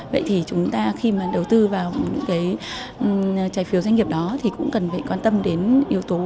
vậy thì chúng ta khi mà đầu tư vào những cái trái phiếu doanh nghiệp đó thì cũng cần phải quan tâm đến yếu tố